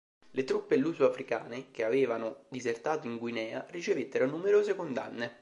Le truppe luso-africane che avevano disertato in Guinea ricevettero numerose condanne.